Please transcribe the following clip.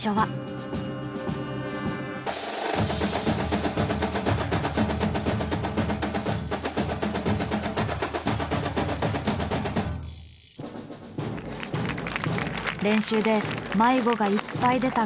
練習で迷子がいっぱい出たコロッセオ。